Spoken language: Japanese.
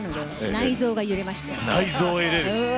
内臓が揺れる。